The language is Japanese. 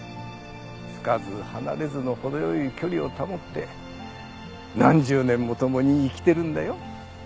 つかず離れずの程良い距離を保って何十年も共に生きてるんだよ。